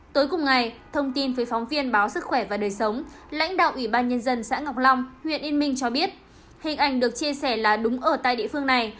tối cùng ngày thông tin với phóng viên báo sức khỏe và đời sống lãnh đạo ủy ban nhân dân xã ngọc long huyện yên minh cho biết hình ảnh được chia sẻ là đúng ở tại địa phương này